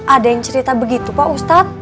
ada yang cerita begitu pak ustadz